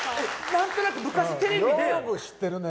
何となく昔、テレビで。